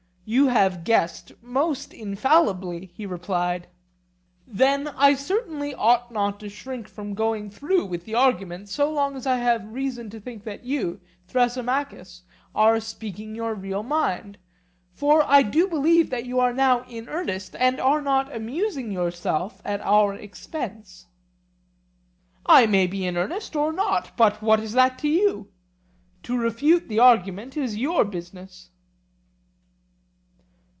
You have guessed most infallibly, he replied. Then I certainly ought not to shrink from going through with the argument so long as I have reason to think that you, Thrasymachus, are speaking your real mind; for I do believe that you are now in earnest and are not amusing yourself at our expense. I may be in earnest or not, but what is that to you?—to refute the argument is your business.